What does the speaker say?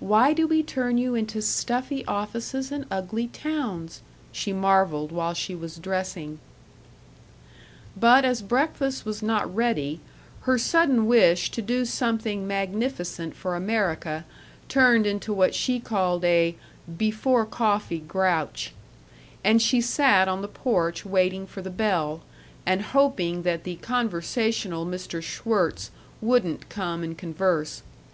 Why do we turn you into stuffy offices and ugly towns?" she marveled while she was dressing. But as breakfast was not ready, her sudden wish to do something magnificent for America turned into what she called a "before coffee grouch," and she sat on the porch waiting for the bell, and hoping that the conversational Mr. Schwirtz wouldn't come and converse.